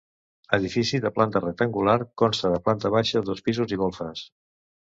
Edifici de planta rectangular, consta de planta baixa, dos pisos i golfes.